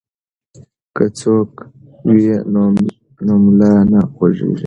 که څوکۍ وي نو ملا نه خوږیږي.